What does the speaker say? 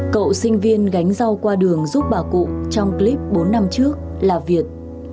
cậu sinh viên gánh rau qua đường giúp bà cụ trong clip bốn năm trước là việc